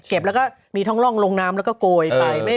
แล้วก็มีท่องร่องลงน้ำแล้วก็โกยไป